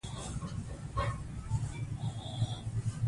غازیان جګړه کوله.